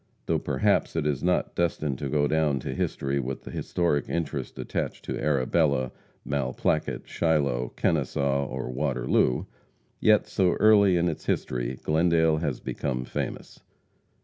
Though perhaps it is not destined to go down to history with the historic interest attached to Arbela, Malplaquet, Shiloh, Kennesaw or Waterloo, yet so early in its history Glendale has become famous.